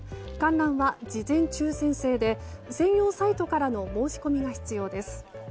観覧は事前抽選制で専用サイトからの申し込みが必要です。